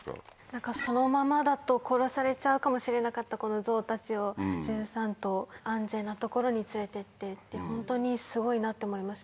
そのままだと殺されちゃうかもしれなかったゾウたちを１３頭安全な所に連れてって本当にすごいなと思いました。